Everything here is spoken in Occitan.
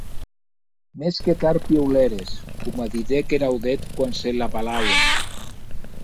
Mès que tard piulères, coma didec er audèth quan se l’avalauen.